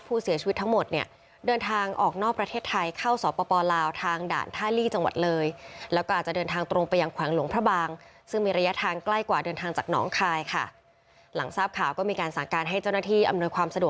ผู้เสียชีวิตทั้งหมดเดินทางออกนอกประเทศไทย